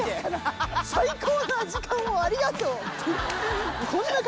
最高な時間をありがとう。